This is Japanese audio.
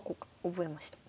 覚えました。